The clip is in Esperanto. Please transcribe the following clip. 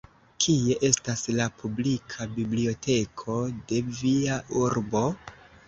Kie estas la publika biblioteko de via urbo?